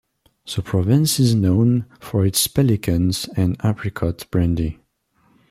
The province is known for its pelicans and apricot brandy.